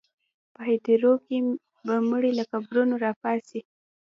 په هدیرو کې به مړي له قبرونو راپاڅي.